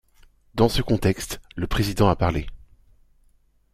Dans ce contexte, le Président a parlé.